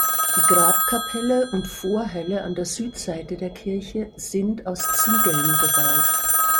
Die Grabkapelle und Vorhalle an der Südseite der Kirche sind aus Ziegeln gebaut.